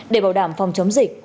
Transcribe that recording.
để bảo đảm phòng chống dịch